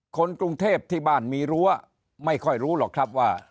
คนกรุงเทพที่บ้านมีรั้วไม่ค่อยรู้หรอกครับว่า